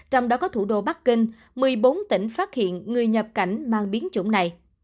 trong đó có thủ đô bắc kinh một mươi bốn tỉnh phát hiện người nhập cảnh mang biến chủng này